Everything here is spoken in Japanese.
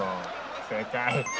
正解。